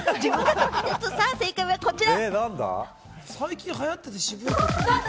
正解はこちら。